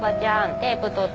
テープ取って。